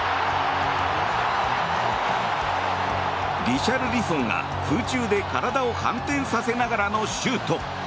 リシャルリソンが、空中で体を反転させながらのシュート。